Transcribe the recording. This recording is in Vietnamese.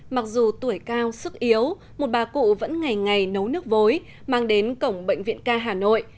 mặc dù tuổi cao sức yếu một bà cụ vẫn ngày ngày nấu nước vối mang đến cổng bệnh viện ca hà nội